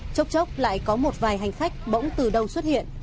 chốc chốc lại có một vài hành khách bỗng từ đâu xuất hiện